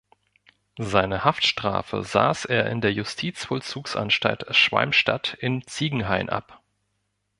Seine Haftstrafe saß er in der Justizvollzugsanstalt Schwalmstadt in Ziegenhain ab.